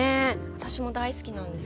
私も大好きなんです。